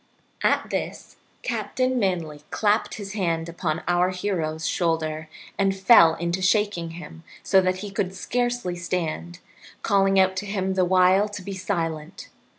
At this Captain Manly clapped his hand upon our hero's shoulder and fell to shaking him so that he could scarcely stand, calling out to him the while to be silent.